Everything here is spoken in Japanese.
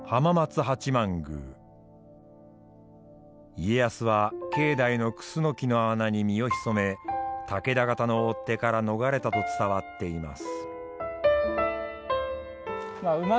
家康は境内のくすのきの穴に身を潜め武田方の追っ手から逃れたと伝わっています。